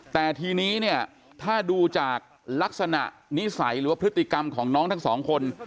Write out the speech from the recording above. แต่ทีนี้เนี่ยถ้าดูจากลักษณะนิสัยหรือว่าพฤติกรรมของน้องทั้งสองคน